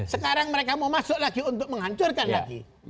sekarang mereka mau masuk lagi untuk menghancurkan lagi